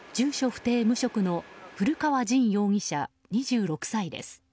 不定・無職の古川刃容疑者、２６歳です。